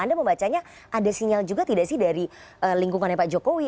anda membacanya ada sinyal juga tidak sih dari lingkungannya pak jokowi